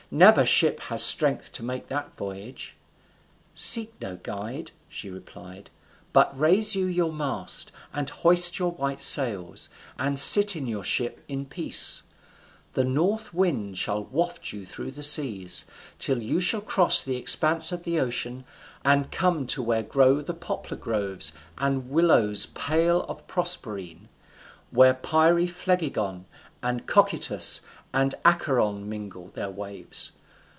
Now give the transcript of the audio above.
Never ship had strength to make that voyage." "Seek no guide," she replied; "but raise you your mast, and hoist your white sails, and sit in your ship in peace: the north wind shall waft you through the seas, till you shall cross the expanse of the ocean and come to where grow the poplar groves and willows pale of Proserpine: where Pyriphlegethon and Cocytus and Acheron mingle their waves.